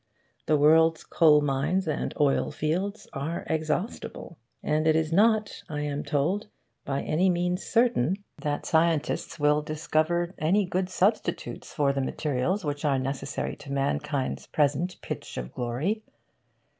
The world's coal mines and oil fields are exhaustible; and it is not, I am told, by any means certain that scientists will discover any good substitutes for the materials which are necessary to mankind's present pitch of glory.